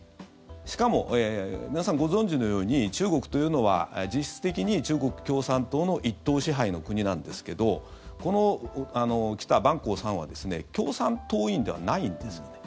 しかも、みなさんご存じのように中国というのは実質的に中国共産党の一党支配の国なんですけどこの来たバン・コウさんは共産党員ではないんですよね。